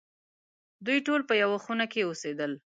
دوی ټول په یوه خونه کې اوسېدل.